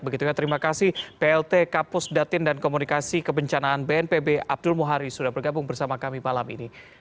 begitu ya terima kasih plt kapus datin dan komunikasi kebencanaan bnpb abdul muhari sudah bergabung bersama kami malam ini